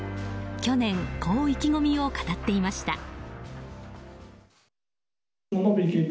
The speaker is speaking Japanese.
去年こう意気込みを語っていました。